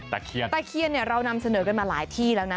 ตะเคียนตะเคียนเนี่ยเรานำเสนอกันมาหลายที่แล้วนะ